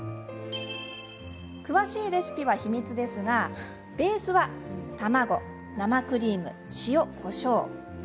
詳しいレシピは秘密ですがベースは、卵、生クリーム塩、こしょう。